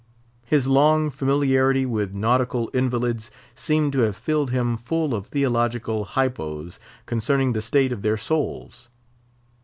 His long familiarity with nautical invalids seemed to have filled him full of theological hypoes concerning the state of their souls.